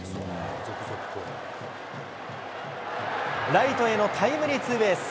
ライトへのタイムリーツーベース。